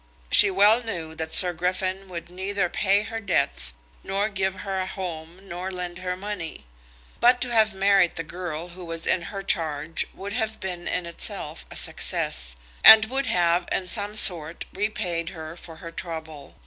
She well knew that Sir Griffin would neither pay her debts nor give her a home nor lend her money. But to have married the girl who was in her charge would have been in itself a success, and would have in some sort repaid her for her trouble.